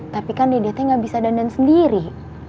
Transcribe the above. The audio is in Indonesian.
tapi kan dede teh nggak bisa dandan sendiri